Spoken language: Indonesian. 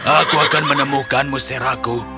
aku akan menemukanmu sarahku